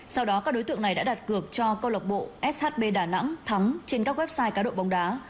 sau đó các đối tượng này đã đặt cược cho công an tp shb đà nẵng thắng trên các website cá độ bóng đá